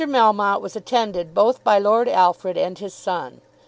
Melmotte was attended both by Lord Alfred and his son.